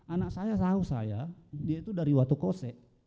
anak saya sahabat saya dia itu dari watu kose